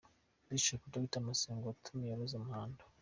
Bishop Dr Masengo watumiye Rose Muhando.